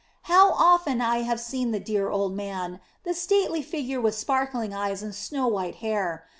How often I have seen the dear old man, the stately figure with sparkling eyes and snow white hair.